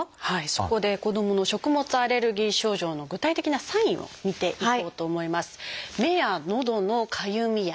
そこで子どもの食物アレルギー症状の具体的なサインを見ていこうと思います。